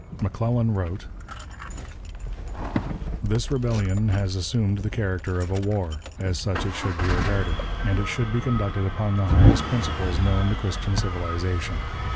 McClellan wrote: "This rebellion has assumed the character of a war; as such it should be regarded, and it should be conducted upon the highest principles known to Christian civilization.